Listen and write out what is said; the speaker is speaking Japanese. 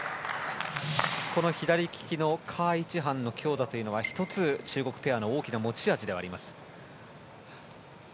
左利きのカ・イチハンの強打というのは１つ、中国ペアの大きな持ち味ではあります。